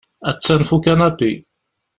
Attan ɣef ukanapi.